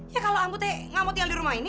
ya kalau ambu tuh gak mau tinggal di rumah ini